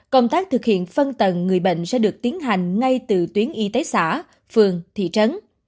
công tác thực hiện phân tầng người bệnh sẽ được tiến hành ngay từ tuyến y tế xã phường thị trấn